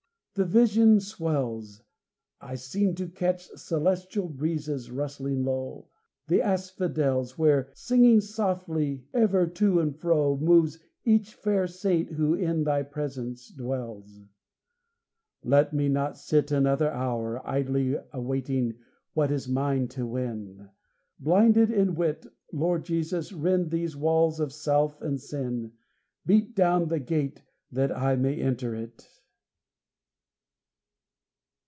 The vision swells: I seem to catch Celestial breezes, rustling low, The asphodels, Where, singing softly ever to and fro, Moves each fair saint who in Thy presence dwells. Let me not sit Another hour, Idly awaiting what is mine to win, Blinded in wit, Lord Jesus, rend these walls of self and sin; Beat down the gate, that I may enter it.